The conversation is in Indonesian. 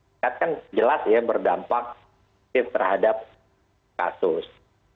kita lihat kan jelas ya berdampak intensif terhadap kasus